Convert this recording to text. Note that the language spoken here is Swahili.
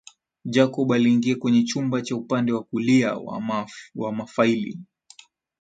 Jacob aliingia kwenye chumba cha upande wa kulia wa mafaili